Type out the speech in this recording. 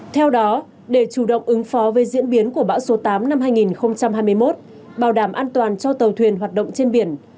theo đó để chủ động ứng phó với diễn biến của bão số tám năm hai nghìn hai mươi một bảo đảm an toàn cho tàu thuyền hoạt động trên biển